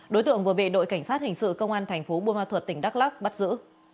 đối tượng vừa bị đội cảnh sát hình sự công an thành phố bùa ma thuật tỉnh đắk lắc bắt giữ